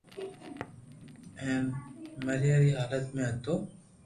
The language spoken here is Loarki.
ھين مريا ري حالت ۾ ھتو